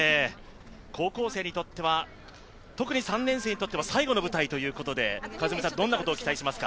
高校生、特に３年生にとっては最後の舞台ということでどんなことを期待しますか？